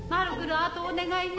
あとお願いね。